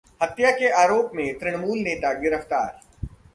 हत्या के आरोप में तृणमूल नेता गिरफ्तार